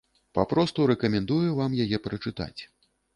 Папросту рэкамендую вам яе прачытаць.